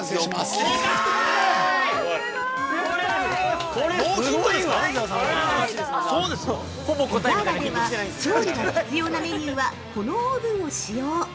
◆ピザーラでは調理が必要なメニューはこのオーブンを使用。